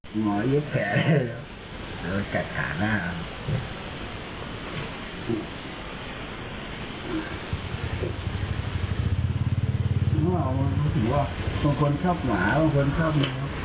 โทรหาตำรวจทั้งคืนโทรหาตำรวจทั้งคืนโทรหาตำรวจ